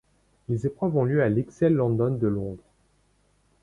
Les épreuves ont lieu à l'ExCeL London de Londres.